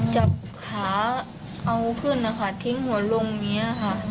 จับขาเอาขึ้นทิ้งหัวลงนี้